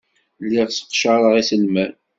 Lliɣ sseqcareɣ iselman.